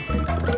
sampai jumpa lagi